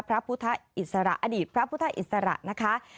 พระพุทธอิสระอดีตพระพุทธอิสระนะคะ